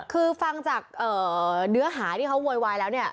คือฟังจากเนื้อหาที่เขาโวยวายแล้วเนี่ย